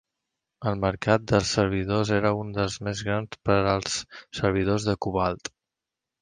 El mercat de servidors era un dels més grans per als servidors de Cobalt.